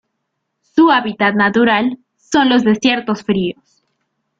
Su hábitat natural son los desiertos fríos.